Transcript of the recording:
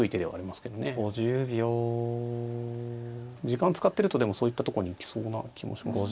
時間使ってるとでもそういったとこに行きそうな気もします。